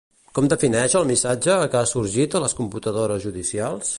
Com defineix el missatge que ha sorgit a les computadores judicials?